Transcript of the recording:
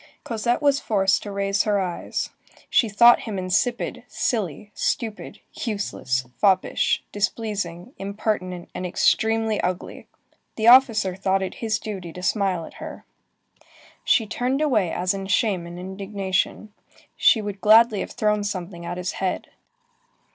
Cosette was forced to raise her eyes. She thought him insipid, silly, stupid, useless, foppish, displeasing, impertinent, and extremely ugly. The officer thought it his duty to smile at her. She turned away as in shame and indignation. She would gladly have thrown something at his head.